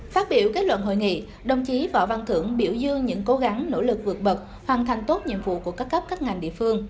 phát biểu kết luận hội nghị đồng chí võ văn thưởng biểu dương những cố gắng nỗ lực vượt bậc hoàn thành tốt nhiệm vụ của các cấp các ngành địa phương